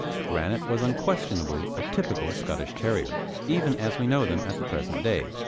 Granite was unquestionably a typical Scottish Terrier, even as we know them at the present day.